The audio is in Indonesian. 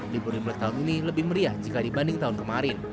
libur imlek tahun ini lebih meriah jika dibanding tahun kemarin